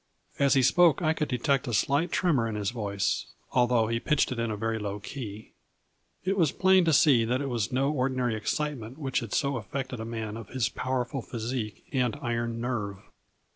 As he spoke I could detect a slight tremor in his voice, although he pitched it in a very low key. It was plain to see that it was no ordinary excite ment which had so affected a man of his power ful physique and iron nerve.